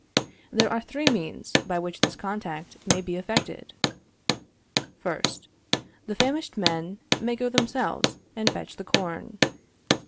There are three means by which this contact may be effected. 1st. The famished men may go themselves and fetch the corn.